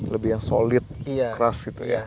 lebih yang solid keras gitu ya